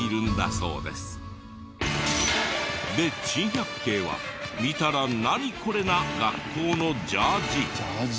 で珍百景は見たら「ナニコレ？」な学校のジャージ。